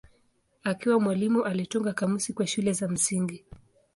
Akiwa mwalimu alitunga kamusi kwa shule za msingi.